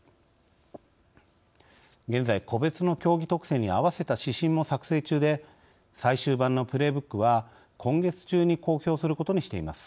現在個別の競技特性にあわせた指針も作成中で最終版の「プレーブック」は今月中に公表することにしています。